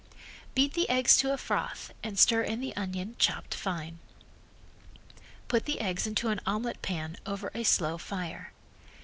Beat the eggs to a froth and stir in the onion chopped fine. Put the eggs into an omelet pan over a slow fire.